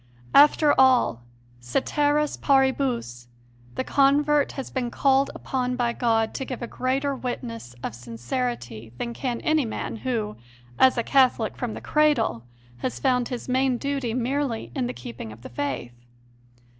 After all, ceteris paribus, the convert has been called upon by God to give a greater witness of sincerity than can any man, who, as a Catholic from the cradle, has found his main duty merely in the keeping of the Faith.